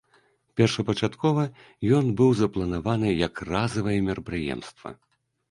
Першапачаткова ён быў запланаваны як разавае мерапрыемства.